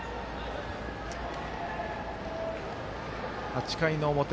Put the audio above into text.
８回の表。